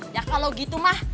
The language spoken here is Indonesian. ya kalau gitu mah